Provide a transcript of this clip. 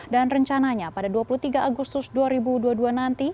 dan rencananya pada dua puluh tiga agustus dua ribu dua puluh dua nanti